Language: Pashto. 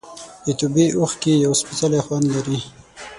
د توبې اوښکې یو سپېڅلی خوند لري.